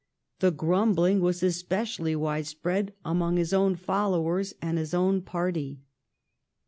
The grumbling was especially widespread among his own followers and his own party.